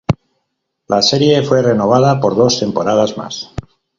La serie fue renovada por dos temporadas más.